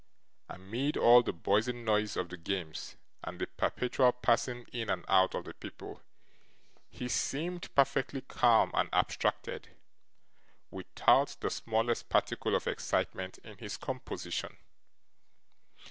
Amid all the buzzing noise of the games, and the perpetual passing in and out of the people, he seemed perfectly calm and abstracted, without the smallest particle of excitement in his composition.